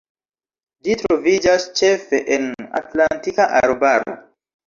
Ĝi troviĝas ĉefe en Atlantika arbaro.